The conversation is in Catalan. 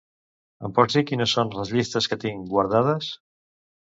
Em pots dir quines són les llistes que tinc guardades?